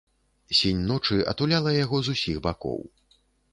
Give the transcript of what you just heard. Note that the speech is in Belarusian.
Сінь ночы атуляла яго з усіх бакоў.